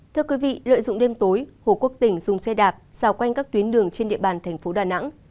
thưa quý vị lợi dụng đêm tối hồ quốc tỉnh dùng xe đạp xào quanh các tuyến đường trên địa bàn thành phố đà nẵng